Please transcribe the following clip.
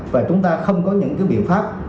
và chúng ta không có những cái biện pháp